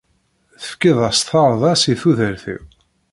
Tefkiḍ-as tardast i tudert-iw.